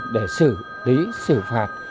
để xử lý xử phạt